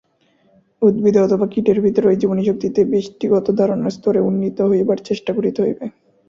উদ্ভিদে অথবা কীটের ভিতর ঐ জীবনীশক্তিকে ব্যষ্টিগত ধারণার স্তরে উন্নীত হইবার চেষ্টা করিতে হইবে।